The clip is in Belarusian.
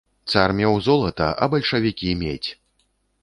Цар меў золата, а бальшавікі медзь!